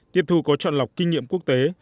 tiếp thu có trọn lọc kinh nghiệm quốc tế